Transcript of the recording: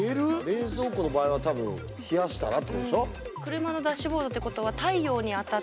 冷蔵庫の場合は多分冷やしたらってことでしょ。